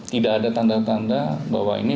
tidak ada tanda tanda bahwa ini